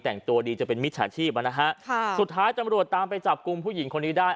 แต่งตัวดีจะเป็นมิจฉาชีพอ่ะนะฮะค่ะสุดท้ายตำรวจตามไปจับกลุ่มผู้หญิงคนนี้ได้